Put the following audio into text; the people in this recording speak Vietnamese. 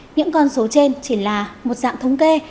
những con số trên chỉ là một dạng thống kê